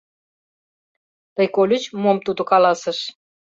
— Тый кольыч, мом тудо каласыш?